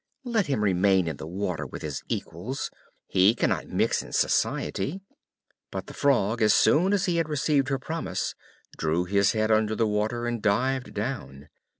Let him remain in the water with his equals; he cannot mix in society." But the Frog, as soon as he had received her promise, drew his head under the water and dived down.